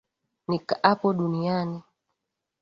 Nikaapo dunia,